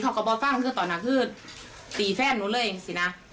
เขาก็บอกฟังคือต่อหนาคือตีแฟนหนูเลยสินะ